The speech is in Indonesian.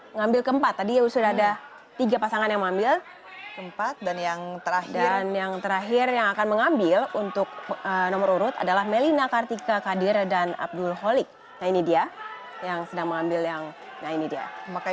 pemilihan umum di kpud kabupaten bekasi